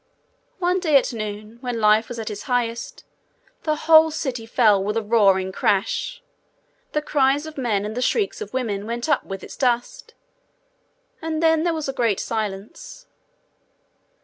One day at noon, when life was at its highest, the whole city fell with a roaring crash. The cries of men and the shrieks of women went up with its dust, and then there was a great silence.